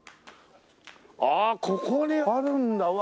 ああここにあるんだ。